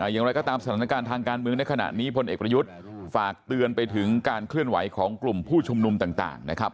อย่างไรก็ตามสถานการณ์ทางการเมืองในขณะนี้พลเอกประยุทธ์ฝากเตือนไปถึงการเคลื่อนไหวของกลุ่มผู้ชุมนุมต่างนะครับ